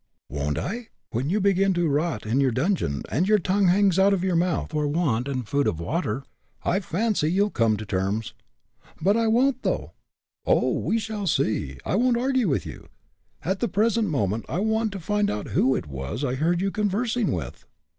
"Won't I? When you begin to rot in your dungeon, and your tongue hangs out of your mouth for want of food and water, I fancy you'll come to terms." "But I won't, though!" "Oh! we shall see. I won't argue with you. At the present moment I want to find out who it was I heard you conversing with!"